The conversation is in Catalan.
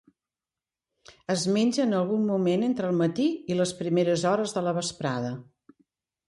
Es menja en algun moment entre el matí i les primeres hores de la vesprada.